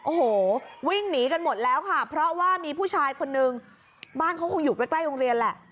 โอ้โหวิ่งหนีกันหมดแล้วค่ะเพราะว่ามีผู้ชายคนนึงบ้านเขาคงอยู่ใกล้ใกล้โรงเรียนแหละ